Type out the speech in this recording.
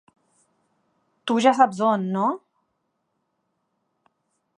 Tu ja saps on no?